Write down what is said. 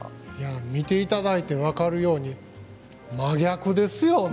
見て頂いて分かるように真逆ですよね